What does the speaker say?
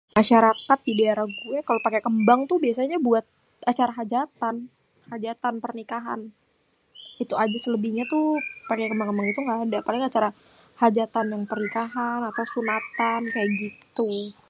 masyarakat di daerah gué kalo pake kémbang tuh biasanya tuh buat acara hajatan, hajatan pernikahan, itu aja selebihnya tuh paké kémbang-kémbang itu ngga ada paling acara-acara hajatan, dan pernikahan atau sunatan kaya gitu.